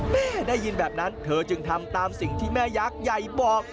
แม่ได้ยินแบบนั้นเธอจึงทำตามสิ่งที่แม่ยักษ์ใหญ่บอก